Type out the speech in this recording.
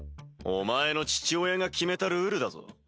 お前の父親が決めたルールだぞ。